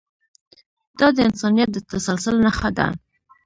دا د انسانیت د تسلسل نښه ده.